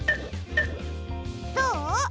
どう？